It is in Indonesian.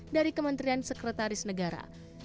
dari kementerian sekretaris negara